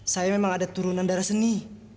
saya memang ada turunan darah seni